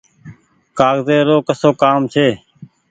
ڪآگزي رو ڪسو ڪآم ڇي ۔